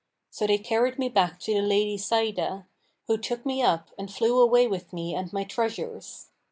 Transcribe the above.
So they carried me back to the Lady Sa'idah, who took me up and flew away with me and my treasures.